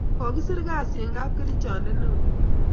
kokisir kasi eng kapkerichonde neo